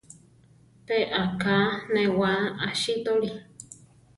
Pe aká newáa asítoli.